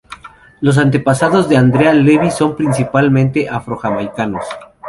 Los antepasados de Andrea Levy son principalmente afro-jamaicanos.